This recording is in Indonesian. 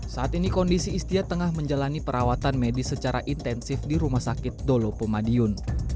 saat ini kondisi istia tengah menjalani perawatan medis secara intensif di rumah sakit dolopo madiun